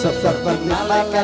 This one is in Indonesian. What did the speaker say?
rapat pilih mangaru batu